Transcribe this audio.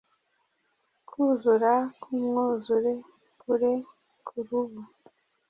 Kwuzura kumwuzure kure kurubu